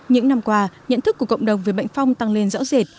những năm qua nhận thức của cộng đồng về bệnh phong tăng lên rõ rệt